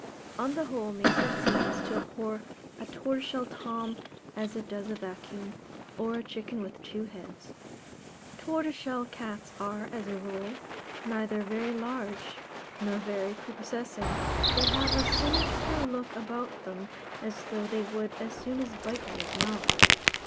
On the whole, nature seems to abhor a Tortoiseshell Tom as it does a vacuum, or a chicken with two heads. Tortoiseshell cats are, as a rule, neither very large, nor very prepossessing. They have a sinister look about them, as though they would as soon bite you as not.